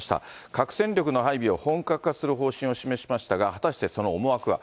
核戦力の配備を本格化する方針を示しましたが、果たしてその思惑は。